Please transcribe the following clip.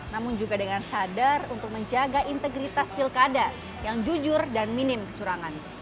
namun juga dengan sadar untuk menjaga integritas pilkada yang jujur dan minim kecurangan